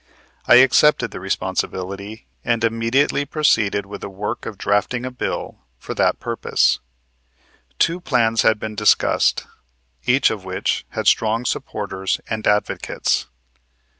I accepted the responsibility, and immediately proceeded with the work of drafting a bill for that purpose. Two plans had been discussed, each of which had strong supporters and advocates.